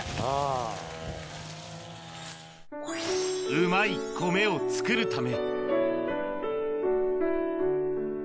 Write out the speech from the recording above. うまい米を作るため。